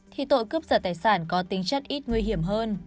thì tội cướp giật tài sản có tính chất ít nguy hiểm hơn